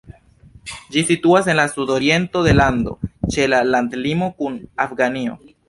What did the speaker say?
Ĝi situas en la sudoriento de la lando, ĉe la landlimo kun Afganio.